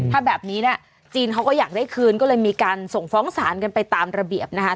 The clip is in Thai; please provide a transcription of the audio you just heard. ถ้าแบบนี้เนี่ยจีนเขาก็อยากได้คืนก็เลยมีการส่งฟ้องศาลกันไปตามระเบียบนะคะ